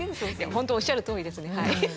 本当おっしゃるとおりですね。